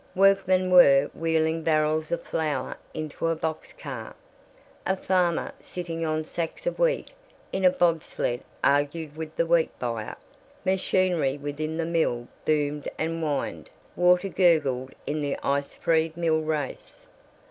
Workmen were wheeling barrels of flour into a box car; a farmer sitting on sacks of wheat in a bobsled argued with the wheat buyer; machinery within the mill boomed and whined, water gurgled in the ice freed mill race.